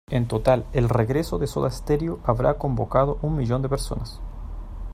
En total el regreso de Soda Stereo habrá convocado un millón de personas.